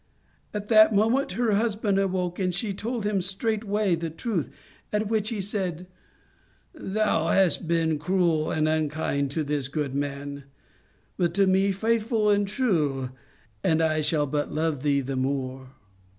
" At that moment her husband awoke, and she told him straightway the truth, at which he said, c Thou hast been cruel and unkind to U2 Our Little Spanish Cousin this good man, but to me faithful and true, and I shall but love thee the more